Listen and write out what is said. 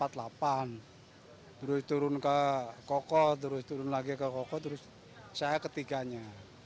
terus turun ke koko terus turun lagi ke koko terus saya ketiganya